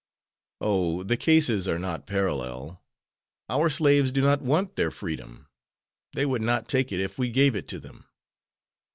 "Oh, the cases are not parallel. Our slaves do not want their freedom. They would not take it if we gave it to them."